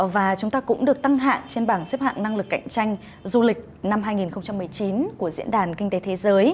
và chúng ta cũng được tăng hạng trên bảng xếp hạng năng lực cạnh tranh du lịch năm hai nghìn một mươi chín của diễn đàn kinh tế thế giới